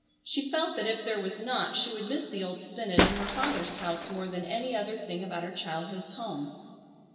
She felt that if there was not she would miss the old spinet in her father's house more than any other thing about her childhood's home.